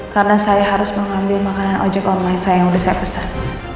karena saya harus mengambil makanan ojek online saya yang udah saya pesan